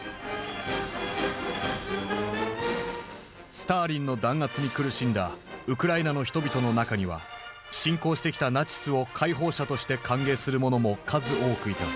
スターリンの弾圧に苦しんだウクライナの人々の中には侵攻してきたナチスを解放者として歓迎する者も数多くいた。